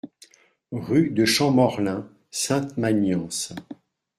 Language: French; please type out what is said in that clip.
Rue de Champmorlin, Sainte-Magnance